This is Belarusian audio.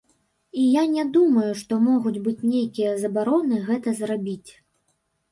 І я не думаю, што могуць быць нейкія забароны гэта зрабіць.